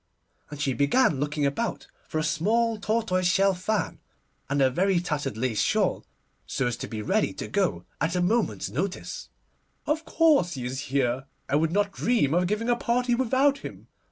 and she began looking about for a small tortoise shell fan and a very tattered lace shawl, so as to be ready to go at a moment's notice. 'Of course he is here; I would not dream of giving a party without him.